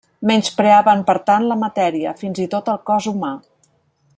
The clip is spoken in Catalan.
Menyspreaven per tant la matèria, fins i tot el cos humà.